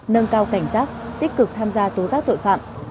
nâng cao cảnh giác tích cực tham gia tố giác tội phạm